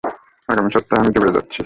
আগামী সপ্তাহে আমি দুবাই যাচ্ছি।